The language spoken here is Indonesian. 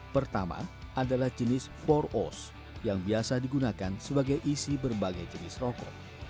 pertama adalah jenis empat os yang biasa digunakan sebagai isi berbagai jenis rokok